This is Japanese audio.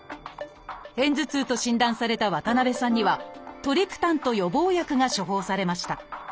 片頭痛と診断された渡辺さんにはトリプタンと予防薬が処方されました。